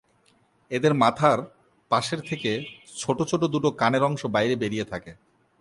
এদের মাথার পাশের থেকে ছোটো ছোটো দুটো কানের অংশ বাইরে বেরিয়ে থাকে।